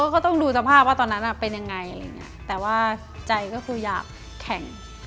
ก็ต้องดูสภาพว่าตอนนั้นเป็นอย่างไรแต่ว่าใจก็คือยากแข่ง